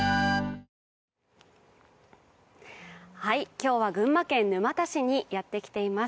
今日は群馬県沼田市にやってきています。